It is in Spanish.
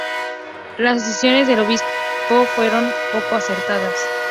Las decisiones del obispo fueron poco acertadas.